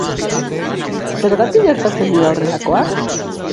Zergatik gertatzen dira horrelakoak?